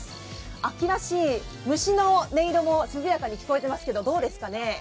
秋らしい虫の音色も涼やかに聞こえてますけどどうですかね。